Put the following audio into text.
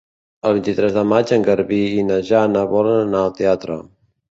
El vint-i-tres de maig en Garbí i na Jana volen anar al teatre.